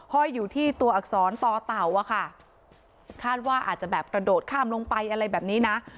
ห้อยอยู่ที่ตัวอักษรต่อเต่าอะค่ะคาดว่าอาจจะแบบกระโดดข้ามลงไปอะไรแบบนี้นะ